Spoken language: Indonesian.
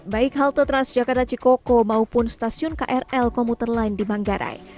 baik halte transjakarta cikoko maupun stasiun krl komuter lain di manggarai